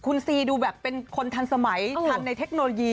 คุณซีดูแบบเป็นคนทันสมัยทันในเทคโนโลยี